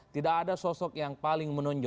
tidak ada sosok yang paling menonjol